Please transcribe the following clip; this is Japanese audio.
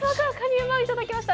うまをいただきました。